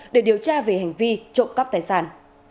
để điều tra về hành vi trộm cắp tài sản